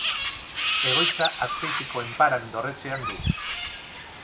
Egoitza Azpeitiko Enparan dorretxean du.